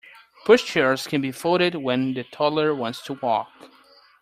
Pushchairs can be folded when the toddler wants to walk